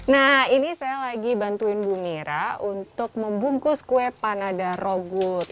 nah ini saya lagi bantuin bu mira untuk membungkus kue panada rogut